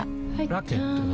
ラケットは？